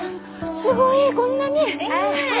すごいこんなに！